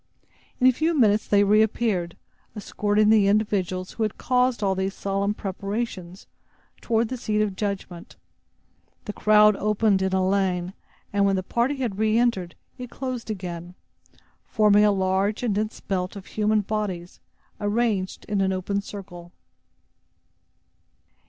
In a few minutes they reappeared, escorting the individuals who had caused all these solemn preparations toward the seat of judgment. The crowd opened in a lane; and when the party had re entered, it closed in again, forming a large and dense belt of human bodies, arranged in an open circle.